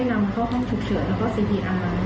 เราก็ได้นำเข้าห้องถูกเฉิดต่อก็เสียชีวิต